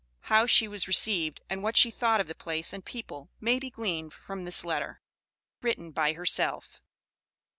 How she was received, and what she thought of the place and people, may be gleaned from this letter (written by herself.)